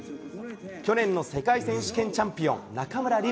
去年の世界選手権チャンピオン、中村輪